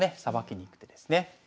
さばきにいく手ですね。